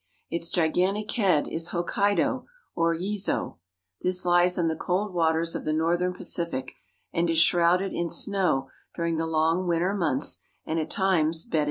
Its gigantic head is Hokkaido (h5k'ki do) or Yezo. This Hes in the cold waters of the northern Pacific, and is shrouded in snow during the long winter months and at times bedded CARP.